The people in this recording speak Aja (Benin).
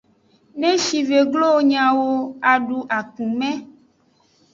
Ne shive glo wo nyawo, adu akume.